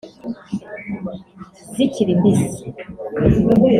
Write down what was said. zikiri mbisi